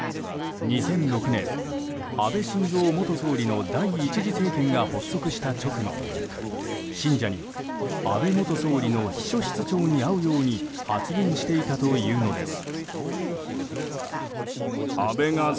２００６年、安倍晋三元総理の第１次政権が発足した直後信者に安倍元総理の秘書室長に会うように発言していたというのです。